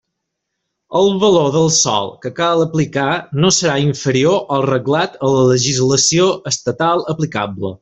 El valor del sòl que cal aplicar no serà inferior al reglat en la legislació estatal aplicable.